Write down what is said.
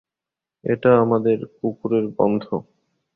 এটা আমাদের কুকুরের গন্ধ!